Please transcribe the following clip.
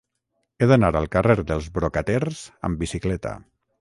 He d'anar al carrer dels Brocaters amb bicicleta.